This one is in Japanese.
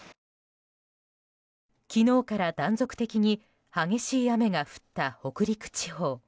昨日から断続的に激しい雨が降った北陸地方。